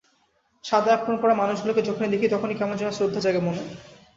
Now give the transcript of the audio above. সাদা অ্যাপ্রোন পরা মানুষগুলোকে যখনই দেখি, তখনই কেমন যেন শ্রদ্ধা জাগে মনে।